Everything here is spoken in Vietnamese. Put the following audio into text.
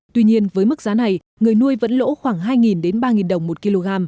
tuy nhiên với mức giá này người nuôi vẫn lỗ khoảng hai ba đồng một kg